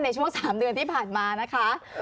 ในช่วง๓เดือนที่ผ่านมานะคะ